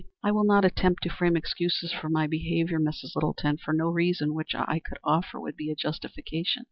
"I will not attempt to frame excuses for my behavior, Mrs. Littleton, for no reason which I could offer would be a justification."